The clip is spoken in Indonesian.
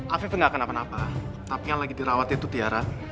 afif gak kenapa napa tapi yang lagi dirawat itu tiara